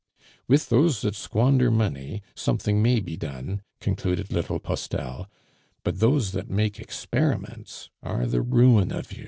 "With those that squander money something may be done," concluded little Postel, "but those that make experiments are the ruin of you."